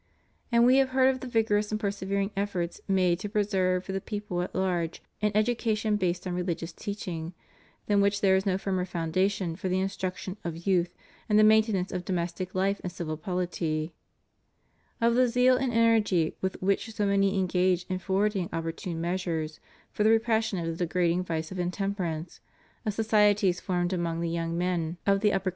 And We have heard of the vigorous and persevering efforts made to preserve for the people at large an education based on religious teaching, than which there is no firmer founda tion for the instruction of youth and the maintenance of domestic life and civil pofity; of the zeal and energy with which so many engage in forwarding opportune measures for the repression of the degrading vice of intemperance; of societies formed among the young men of the upper » 2 Thes.